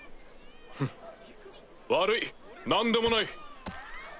フッ悪い何でもない。